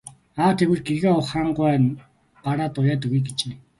Аа тэгвэл гэгээн хаан гуай нь гараад уяад өгье гэжээ.